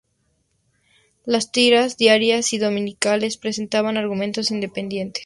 Las tiras diarias y dominicales presentaban argumentos independientes.